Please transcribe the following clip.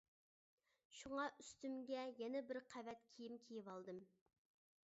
شۇڭا، ئۈستۈمگە يەنە بىر قەۋەت كىيىم كىيىۋالدىم.